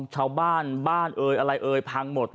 ชาวบ้านเูื้อบ้านเหมือนผังมด